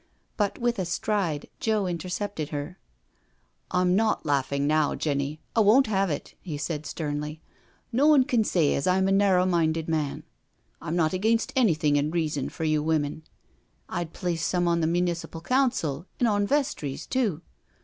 But with a stride Joe intercepted her. " I'm not laughing now, Jenny. I won't have it," he said sternly. " No one can say as I'm a narrer minded man. I'm not against anything in reason for you women. I'd place some on the Municipal Council, and on vestries, too.